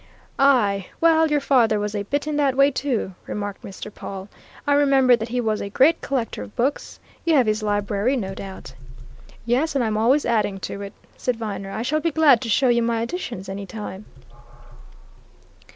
"Aye, well, your father was a bit in that way too," remarked Mr. Pawle. "I remember that he was a great collector of books you have his library, no doubt?" "Yes, and I'm always adding to it," said Viner. "I shall be glad to show you my additions, any time."